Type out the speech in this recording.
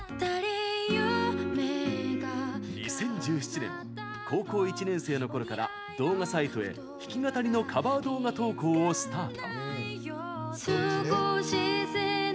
２０１７年高校１年生のころから動画サイトへ、弾き語りのカバー動画投稿をスタート。